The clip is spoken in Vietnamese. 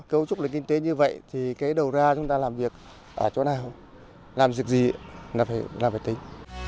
cấu trúc là kinh tế như vậy thì cái đầu ra chúng ta làm việc ở chỗ nào làm việc gì là phải làm phải tính